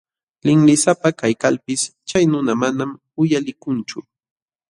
Linlisapa kaykalpis chay nuna manam uyalikunchu.